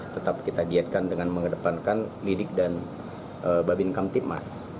tetap kita diatakan dengan mengedepankan lidik dan babi inkam tipmas